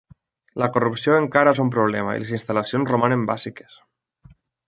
La corrupció encara és un problema i les instal·lacions romanen bàsiques.